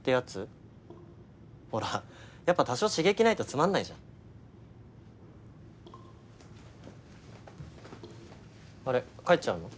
ほらやっぱ多少刺激ないとつまんないじゃんあれ帰っちゃうの？